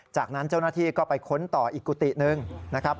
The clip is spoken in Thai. จากนั้นเจ้าหน้าที่ก็ไปค้นต่ออีกกุฏิหนึ่งนะครับ